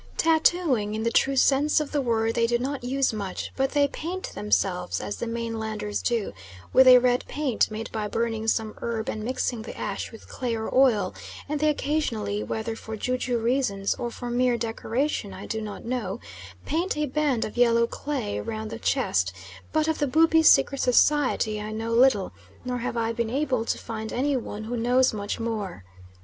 Tattooing, in the true sense of the word, they do not use much, but they paint themselves, as the mainlanders do, with a red paint made by burning some herb and mixing the ash with clay or oil, and they occasionally whether for ju ju reasons or for mere decoration I do not know paint a band of yellow clay round the chest; but of the Bubi secret society I know little, nor have I been able to find any one who knows much more.